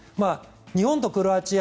日本とクロアチア